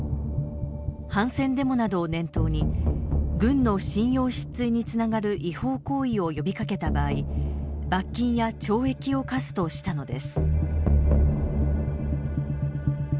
反戦デモなどを念頭に軍の信用失墜につながる違法行為を呼びかけた場合罰金や懲役を科すとしたのです。